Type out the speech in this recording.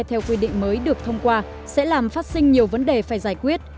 theo quy định mới được thông qua sẽ làm phát sinh nhiều vấn đề phải giải quyết